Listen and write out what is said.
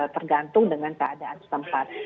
tergantung dengan keadaan setempat